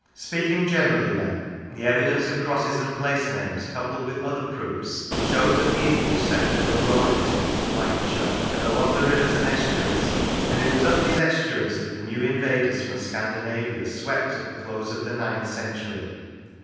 Speaking generally, then, the evidence of crosses and place names, coupled with other proofs, show that the English settled in the lower districts of Lancashire and along the rivers and estuaries, and it was up these estuaries that the new invaders from Scandinavia swept at the close of the ninth century.